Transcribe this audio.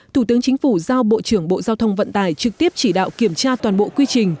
thủ tướng chính phủ giao bộ trưởng bộ giao thông vận tài trực tiếp chỉ đạo kiểm tra toàn bộ quy trình